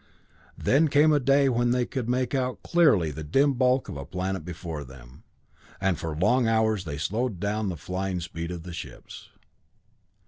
Then came a day when they could make out clearly the dim bulk of a planet before them, and for long hours they slowed down the flying speed of the ships.